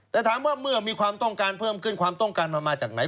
แต่ถามว่าเมื่อมีความต้องการเพิ่มขึ้นความต้องการมันมาจากไหน